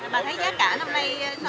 bà thấy giá cả năm nay so với